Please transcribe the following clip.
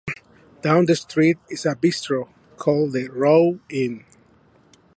Down the street is a bistro called the Rowe Inn.